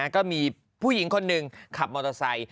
ก็มีผู้หญิงคนหนึ่งขับมอเตอร์ไซค์